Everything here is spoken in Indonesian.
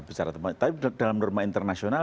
besar tapi dalam norma internasional